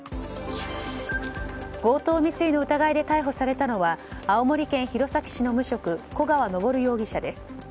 強盗未遂の疑いで逮捕されたのは青森県弘前市の無職古川昇容疑者です。